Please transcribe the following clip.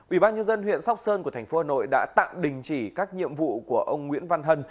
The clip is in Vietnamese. ủy ban nhân dân huyện sóc sơn của thành phố hà nội đã tạm đình chỉ các nhiệm vụ của ông nguyễn văn hân